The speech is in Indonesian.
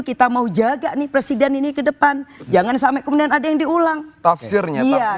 kita mau jaga nih presiden ini ke depan jangan sampai kemudian ada yang diulang tafsirnya iya